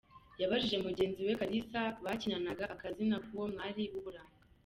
Yabajije mugenzi we Kalisa bakinanaga akazina k’uwo mwari w’uburanga .